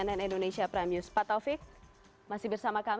masih di analytics